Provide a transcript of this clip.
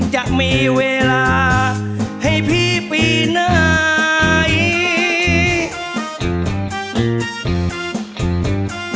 จะมีเวลาให้พี่ปีไหน